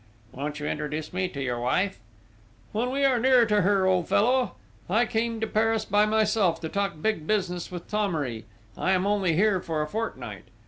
"Won't you introduce me to your wife?" "When we are nearer to her, old fellow! I came to Paris by myself to talk big business with Thomery. I am only here for a fortnight....